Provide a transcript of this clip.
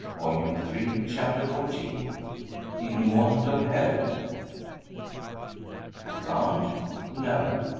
Volume Three, Chapter XIV. IN WANT OF HELP. "Drowned? No!